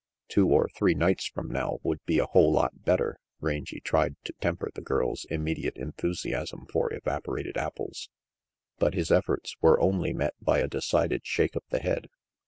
"Two or three nights from now would be a whole lot better," Rangy tried to temper the girl's imme diate enthusiasm for evaporated apples; but his efforts were only met by a decided shake of the head.